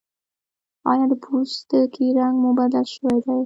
ایا د پوستکي رنګ مو بدل شوی دی؟